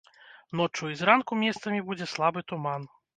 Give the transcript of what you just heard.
Ноччу і зранку месцамі будзе слабы туман.